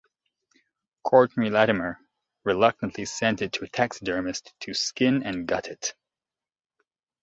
Courtenay-Latimer reluctantly sent it to a taxidermist to skin and gut it.